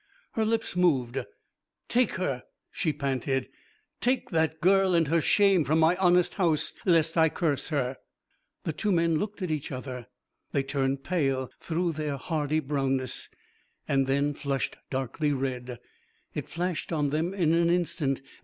Her lips moved. 'Take her,' she panted, 'take that girl and her shame from my honest house, lest I curse her.' The two men looked at each other. They turned pale through their hardy brownness, and then flushed darkly red. It flashed on them in an instant.